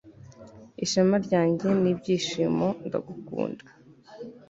ishema ryanjye nibyishimo, ndagukunda